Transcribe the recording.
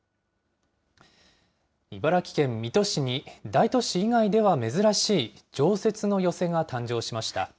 茨城県水戸市に、大都市以外では珍しい常設の寄席が誕生しました。